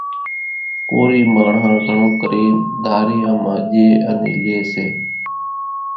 ڪورِي ماڻۿان گھڻو ڪرينَ ڌاريان مان ڄيَ انين ليئيَ سي۔